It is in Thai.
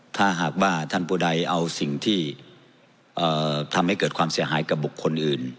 ถ้าหากว่าท่านผู้ใดเอาสิ่งที่ทำให้เกิดความเสียหายกับบุคคลอื่น